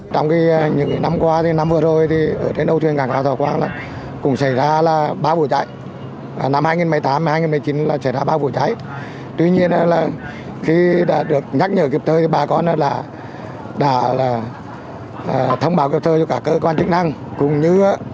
trong thời điểm từ khoảng một mươi hai đến một mươi tám âm lịch